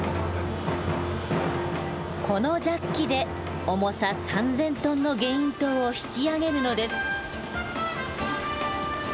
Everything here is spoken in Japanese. このジャッキで重さ３，０００ｔのゲイン塔を引き上げるのです。